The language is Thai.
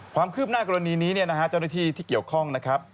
ความคืบหน้ากรณีนี้เนี่ยนะฮะเจ้าหน้าที่ที่เกี่ยวข้องนะครับ